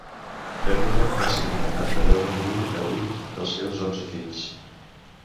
Ferdinand va ser condemnat a veure morir a huit dels seus onze fills.